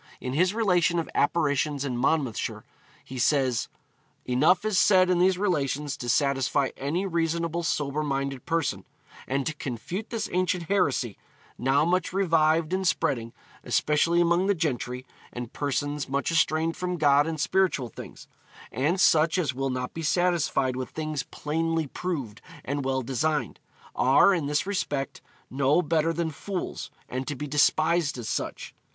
In his relation of apparitions in Monmouthshire, he says: 'Enough is said in these relations to satisfy any reasonable sober minded person, and to confute this ancient heresy, now much revived and spreading, especially among the gentry, and persons much estranged from God and spiritual things; and such as will not be satisfied with things plainly proved and well designed; are, in this respect, no better than fools, and to be despised as such....